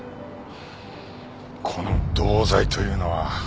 この「同罪」というのは。